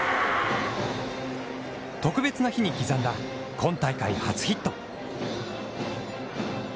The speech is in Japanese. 特別な日に刻んだ今大会、初ヒット。